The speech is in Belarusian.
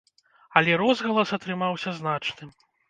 Але розгалас атрымаўся значным.